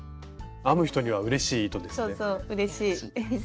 編む人にはうれしい糸ですね。